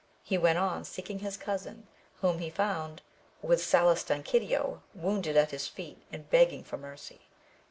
He went on, seeking his cousin, whom he found, with Salustanquidio wounded at his feet, and begging for mercy.